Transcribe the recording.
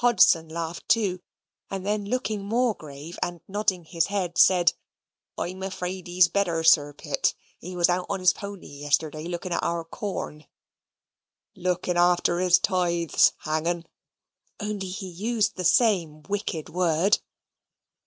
Hodson laughed too, and then looking more grave and nodding his head, said, "I'm afraid he's better, Sir Pitt. He was out on his pony yesterday, looking at our corn." "Looking after his tithes, hang'un (only he used the same wicked word).